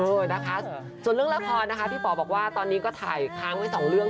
นะคะส่วนเรื่องละครนะคะพี่ป๋อบอกว่าตอนนี้ก็ถ่ายค้างไว้สองเรื่อง